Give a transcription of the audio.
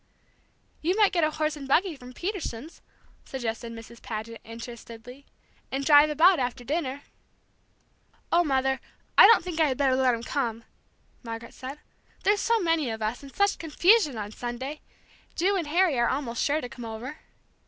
"You might get a horse and buggy from Peterson's," suggested Mrs. Paget, interestedly, "and drive about after dinner." "Oh, Mother, I don't think I had better let him come!" Margaret said. "There's so many of us, and such confusion, on Sunday! Ju and Harry are almost sure to come over."